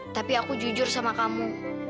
tapi aku jujur sama kamu